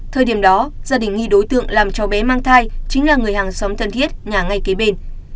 thời điểm đó gia đình nghi đối tượng làm cho bé mang thai chính là người hàng xóm thân thiết nhà ngay kế bên